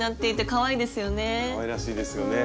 かわいらしいですよね。